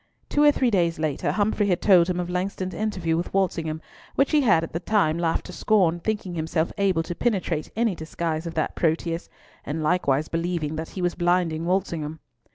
Two or three days later Humfrey had told him of Langston's interview with Walsingham, which he had at the time laughed to scorn, thinking himself able to penetrate any disguise of that Proteus, and likewise believing that he was blinding Walsingham.